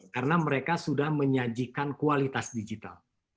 karena mereka sudah menyajikan kualitas digital